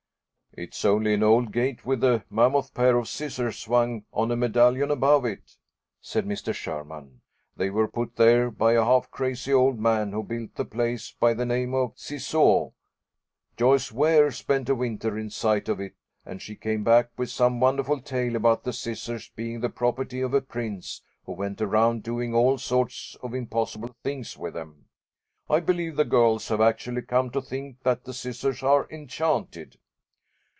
"It's only an old gate with a mammoth pair of scissors swung on a medallion above it," said Mr. Sherman. "They were put there by a half crazy old man who built the place, by the name of Ciseaux. Joyce Ware spent a winter in sight of it, and she came back with some wonderful tale about the scissors being the property of a prince who went around doing all sorts of impossible things with them. I believe the girls have actually come to think that the scissors are enchanted."